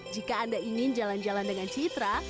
jika anda ingin jalan jalan dengan citra